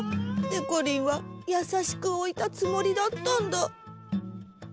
でこりんはやさしくおいたつもりだったんだ。